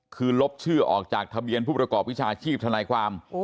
คือลบชื่อออกจากทะเบียนผู้ประกอบวิชาชีพทนายความ